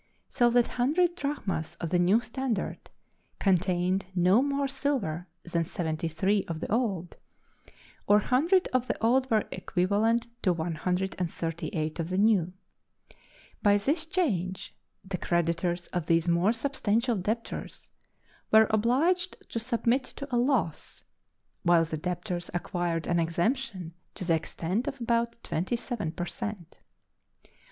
so that 100 drachmas of the new standard contained no more silver than 73 of the old, or 100 of the old were equivalent to 138 of the new. By this change the creditors of these more substantial debtors were obliged to submit to a loss, while the debtors acquired an exemption to the extent of about 27 per cent.